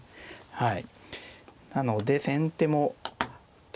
はい。